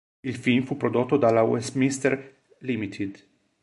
Il film fu prodotto dalla Westminster Ltd.